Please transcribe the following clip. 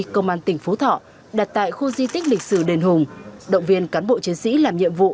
công an tỉnh phú thọ đặt tại khu di tích lịch sử đền hùng động viên cán bộ chiến sĩ làm nhiệm vụ